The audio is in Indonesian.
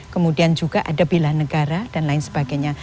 kemudian juga ada bela negara dan lain sebagainya